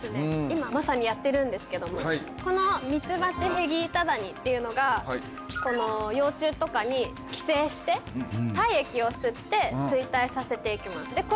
今まさにやってるんですけどもこのミツバチヘギイタダニっていうのがこの幼虫とかに寄生して体液を吸って衰退させていきます